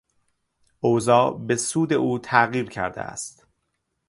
اوضاع به سود او تغییر کرده است.